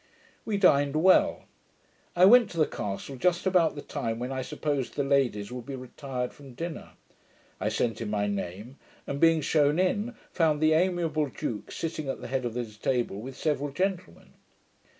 We dined well. I went to the castle just about the time when I supposed the ladies would be retired from dinner. I sent in my name; and, being shewn in, found the amiable duke sitting at the head of his table with several gentlemen.